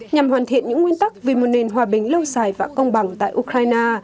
nhằm hoàn thiện những nguyên tắc vì một nền hòa bình lâu dài và công bằng tại ukraine